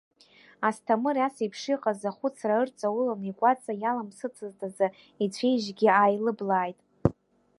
Асҭамыр ас еиԥш иҟаз ахәыцра ырҵауланы игәаҵа иалымсыцызт азы, ицәеижьгьы ааилыблааит.